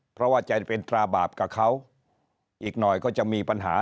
เพราะว่าจะเป็นตราบาปกับเขาอีกหน่อยก็จะมีปัญหา